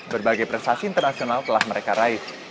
berbagai prestasi internasional telah mereka raih